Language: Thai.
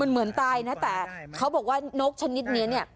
เหมือนตายนะแต่เขาบอกว่านกชนิดนี้เนี่ย